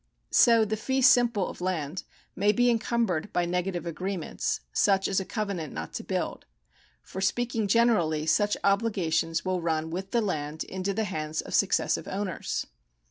So the fee simple of land may be encumbered by negative agreements, such as a covenant not to build ; for speaking generally, such obligations will run with the land into the hands of successive owners.